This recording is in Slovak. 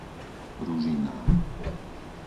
Ružiná